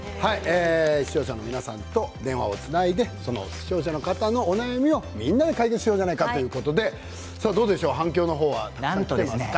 視聴者の皆さんと電話をつないでその視聴者の方のお悩みをみんなで解決しようじゃないかということで反響の方はどうでしょうか？